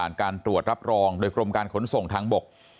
การตรวจรับรองโดยกรมการขนส่งทางบก